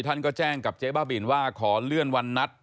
ท่านก็แจ้งกับเจ๊บ้าบินว่าขอเลื่อนวันนัด